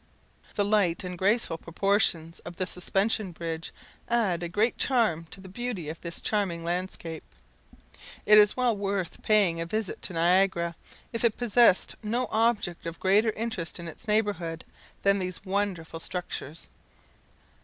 The light and graceful proportions of the Suspension Bridge add a great charm to the beauty of this charming landscape. It is well worth paying a visit to Niagara, if it possessed no object of greater interest in its neighbourhood than these wonderful structures.